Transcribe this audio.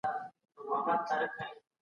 ويرانوونکی رفتار د ناهيلۍ له امله وي.